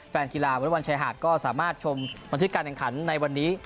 แฟนกีฬาวอเล็กบอลชายหาดก็สามารถชมบันทึกการแข่งขันในวันนี้